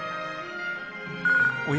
おや？